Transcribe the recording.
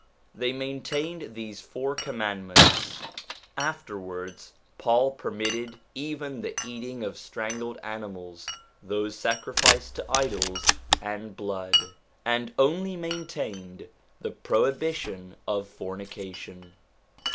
They maintained these four command ments. Afterwards Paul permitted even the eating of strangled animals, those sacrificed to idols, and blood, and only maintained the prohibition of fornication.